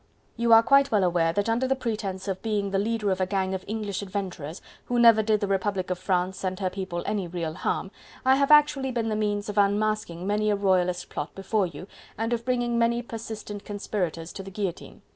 You are quite well aware that under the pretence of being the leader of a gang of English adventurers, who never did the Republic of France and her people any real harm, I have actually been the means of unmasking many a royalist plot before you, and of bringing many persistent conspirators to the guillotine.